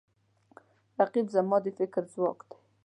رقیب زما د فکر ځواک دی